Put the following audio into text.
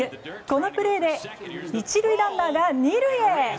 このプレーで１塁ランナーが２塁へ。